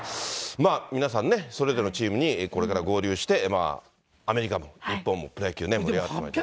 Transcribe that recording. まあ、皆さんね、それぞれのチームにこれから合流して、アメリカも日本もプロ野球ね、盛り上がってまいりますね。